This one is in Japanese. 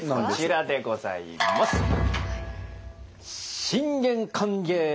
こちらでございます。